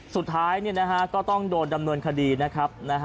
สุดท้ายเนี่ยนะฮะก็ต้องโดนดำเนินคดีนะครับ